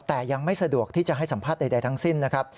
แต่ยังไม่สะดวกที่จะให้สัมภาษณ์ใดทั้งสิ้นนะครับ